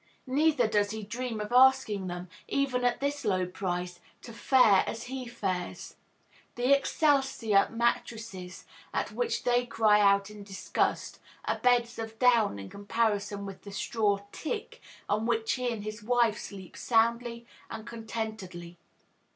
Neither does he dream of asking them, even at this low price, to fare as he fares. The "Excelsior" mattresses, at which they cry out in disgust, are beds of down in comparison with the straw "tick" on which he and his wife sleep soundly and contentedly.